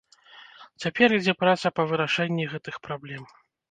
Цяпер ідзе праца па вырашэнні гэтых праблем.